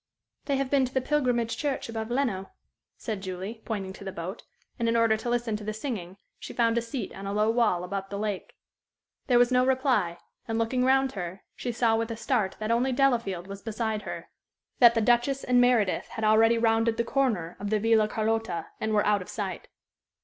"They have been to the pilgrimage church above Lenno," said Julie, pointing to the boat, and in order to listen to the singing, she found a seat on a low wall above the lake. There was no reply, and, looking round her, she saw with a start that only Delafield was beside her, that the Duchess and Meredith had already rounded the corner of the Villa Carlotta and were out of sight.